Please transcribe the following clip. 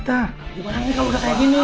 tapi pembahex ini orang pintan russia